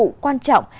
quan trọng và quan trọng